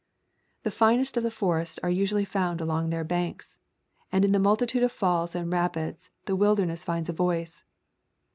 The finest of the forests are usually found along their banks, and in the multitude of falls and rapids the wil derness finds a voice.